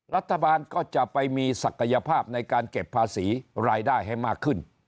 รัฐบาลก็จะไปมีศักยภาพในการเก็บภาษีรายได้ให้มากขึ้น